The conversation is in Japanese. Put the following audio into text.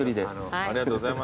ありがとうございます。